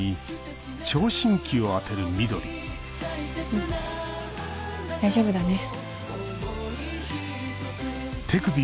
うん大丈夫だね。